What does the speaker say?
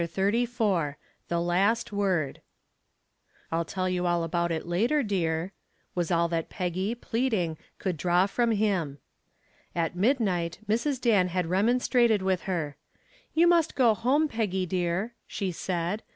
CHAPTER XXXIV THE LAST WORD "I'll tell you about it later, dear," was all that Peggy, pleading, could draw from him. At midnight Mrs. Dan had remonstrated with her. "You must go home, Peggy, dear," she said.